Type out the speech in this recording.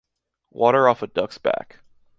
Water off a duck’s back.